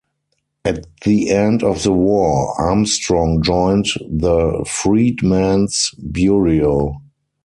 At the end of the war, Armstrong joined the Freedmen's Bureau.